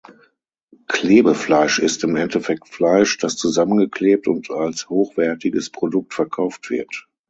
Klebefleisch ist im Endeffekt Fleisch, das zusammengeklebt und als hochwertiges Produkt verkauft wird.